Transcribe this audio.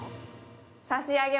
差し上げ